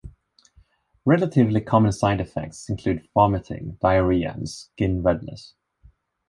Relatively common side effects include vomiting, diarrhea, and skin redness.